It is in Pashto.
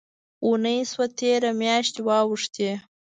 اوونۍ شوه تېره، میاشتي واوښتې